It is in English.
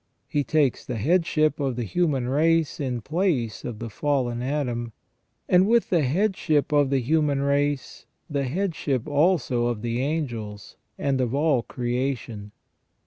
He takes the headship of the human race in place of the fallen Adam ; and with the headship of the human race, the headship also of the angels, and of all creation.